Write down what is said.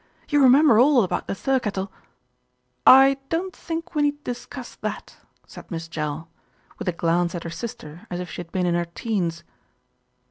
You remember all about the Thirkettle " "I don't think we need discuss that," said Miss Jell, with a glance at her sister as if she had been in her teens.